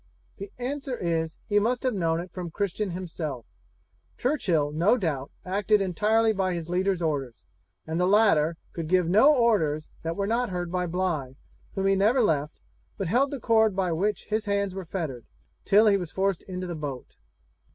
The answer is, he must have known it from Christian himself; Churchill, no doubt, acted entirely by his leader's orders, and the latter could give no orders that were not heard by Bligh, whom he never left, but held the cord by which his hands were fettered, till he was forced into the boat.